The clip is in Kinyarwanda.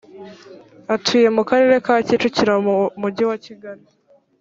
atuye mu karere ka kicukiro mu mujyi wa kigali